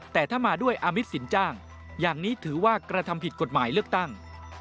แต่ถ้ามาด้วยอามิตสินจ้างอย่างนี้ถือว่ากระทำผิดกฎหมายเลือกตั้ง